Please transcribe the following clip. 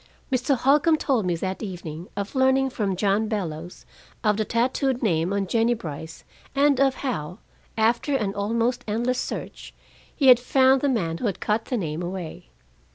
Mr. Holcombe told me that evening of learning from John Bellows of the tattooed name on Jennie Brice and of how, after an almost endless search, he had found the man who had cut the name away.